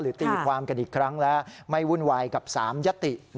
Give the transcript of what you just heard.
ตีความกันอีกครั้งแล้วไม่วุ่นวายกับ๓ยติ